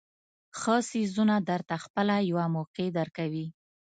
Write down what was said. ښه څیزونه درته خپله یوه موقع درکوي.